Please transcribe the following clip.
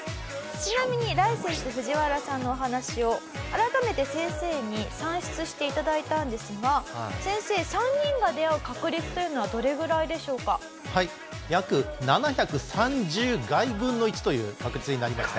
ちなみにライセンス藤原さんのお話を改めて先生に算出して頂いたんですが先生３人が出会う確率というのはどれぐらいでしょうか？という確率になりました。